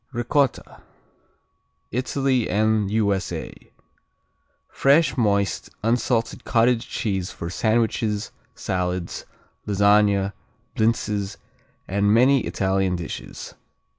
Ricotta Italy and U.S.A. Fresh, moist, unsalted cottage cheese for sandwiches, salads, lasagne, blintzes and many Italian dishes.